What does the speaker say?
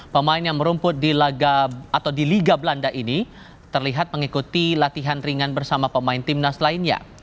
pemain yang merumput di liga belanda ini terlihat mengikuti latihan ringan bersama pemain tim nas lainnya